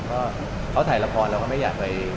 เพราะเขาถ่ายละครแล้วก็ไม่อยากไปอะไรโปรด